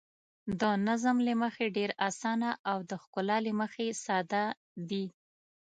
د نظم له مخې ډېر اسانه او د ښکلا له مخې ساده دي.